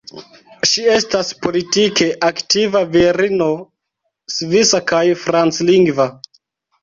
Ŝi estas politike aktiva virino svisa kaj franclingva.